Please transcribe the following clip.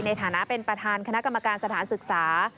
ในฐานะเป็นประธานคณะกรรมการสถานศึกษา